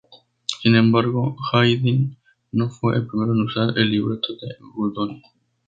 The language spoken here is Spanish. Sin embargo, Haydn no fue el primero en usar el libreto de Goldoni.